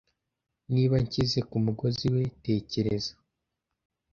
niba nshyize kumugozi we tekereza